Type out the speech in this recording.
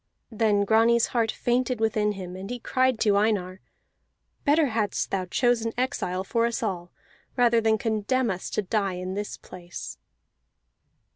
Then Grani's heart fainted within him, and he cried to Einar: "Better hadst thou chosen exile for us all, rather than condemn us to die in this place!"